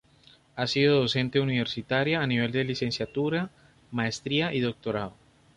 Ha sido docente universitaria a nivel de licenciatura, maestría y doctorado.